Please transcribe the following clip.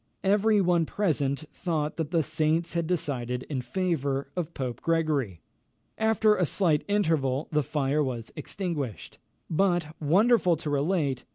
Every one present thought that the saints had decided in favour of Pope Gregory. After a slight interval, the fire was extinguished; but, wonderful to relate!